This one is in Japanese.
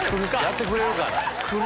やってくれるかなぁ。